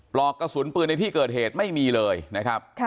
ปลอกกระสุนปืนในที่เกิดเหตุไม่มีเลยนะครับ